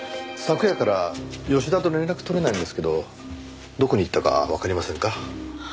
昨夜から吉田と連絡取れないんですけどどこに行ったかわかりませんか？